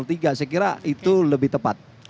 saya kira itu lebih tepat